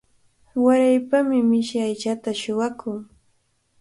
Waraypami mishi aychata suwakun.